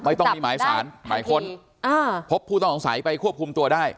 ไม่ต้องมีหมายสารหมายค้นอ่าพบผู้ต้องสงสัยไปควบคุมตัวได้